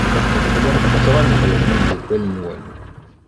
Tellam tettɣanzum imeddukal-nwen.